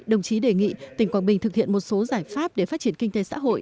đồng chí đề nghị tỉnh quảng bình thực hiện một số giải pháp để phát triển kinh tế xã hội